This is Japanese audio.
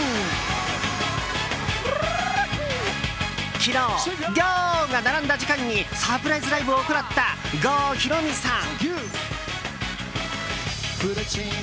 昨日、「ゴー」が並んだ時間にサプライズライブを行った郷ひろみさん。